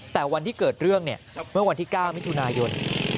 แต่วันที่เกิดเรื่องเนี่ยเมื่อวันที่๙มิถุนายน